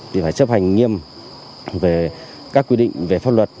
thì phải chấp hành nhiệm về các quyết định về pháp luật